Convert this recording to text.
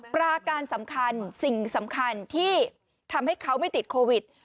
ปราการสำคัญสิ่งสำคัญที่ทำให้เขาไม่ติดโควิด